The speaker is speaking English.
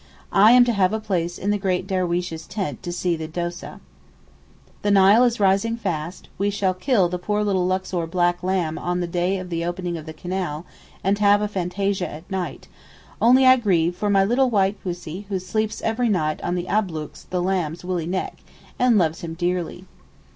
I am to have a place in the great Derweesh's tent to see the Doseh. The Nile is rising fast; we shall kill the poor little Luxor black lamb on the day of the opening of the canal, and have a fantasia at night; only I grieve for my little white pussy, who sleeps every night on Ablook's (the lamb's) woolly neck, and loves him dearly.